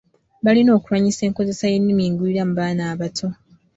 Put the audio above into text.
Balina okulwanyisa enkozesa y’ennimi engwira mu baana abato.